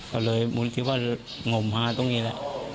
ก็เลยมูลที่พ่อหง่อมหาตรงนี้แหละ